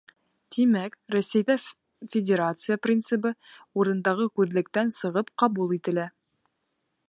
Тимәк, Рәсәйҙә федерация принцибы урындағы күҙлектән сығып ҡабул ителә.